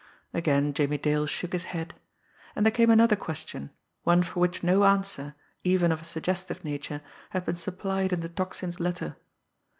Again Jimmie Dale shook his head and there came another question, one for which no answer, even of a suggestive nature, had been supplied in the Tocsin's letter.